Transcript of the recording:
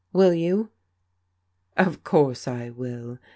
Will you ?" "Of course I will.